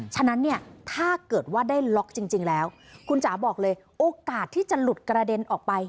ฉะนั้นเนี่ยถ้าเกิดว่าได้ล็อกจริงแล้วคุณจ๋าบอกเลยโอกาสที่จะหลุดกระเด็นออกไป